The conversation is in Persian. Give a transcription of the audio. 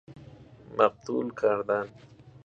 مقتول کردن